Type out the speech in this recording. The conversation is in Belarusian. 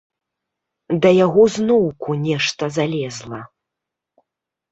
Да яго зноўку нешта залезла.